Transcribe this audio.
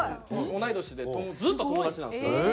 同い年でずっと友達なんですよ。